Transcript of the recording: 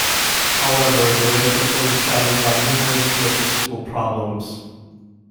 However, the race was overshadowed by numerous logistical problems.